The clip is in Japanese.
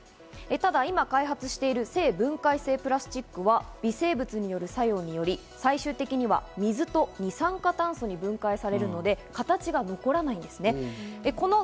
ただ、今開発している生分解性プラスチックは微生物による作用により、最終的には水と二酸化炭素に分解されるので形が残らないんですね。